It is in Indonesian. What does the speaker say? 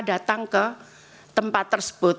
datang ke tempat tersebut